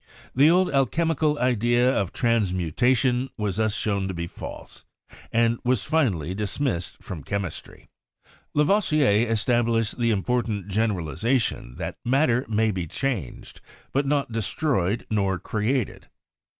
The old alchemical idea of transmutation was thus shown to be false, and was finally dismissed from chemistry. Lavoisier established the important generalization that matter may be changed, but not destroyed nor created.